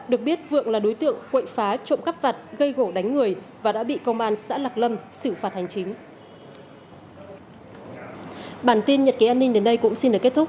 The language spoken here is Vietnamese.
được biết vượng là đối tượng quậy phá trộm cắp vặt gây gỗ đánh người và đã bị công an xã lạc lâm xử phạt hành chính